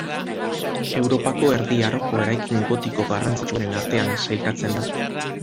Europako Erdi Aroko eraikin gotiko garrantzitsuenen artean sailkatzen da.